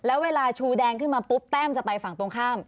แล้วเวลาชูแดงขึ้นมาปุ๊บแต้มจะไปฝั่งตรงข้าม